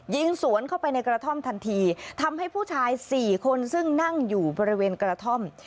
ยิงสวนเข้าไปในกระท่อมทันทีทำให้ผู้ชายสี่คนซึ่งนั่งอยู่บริเวณกระท่อม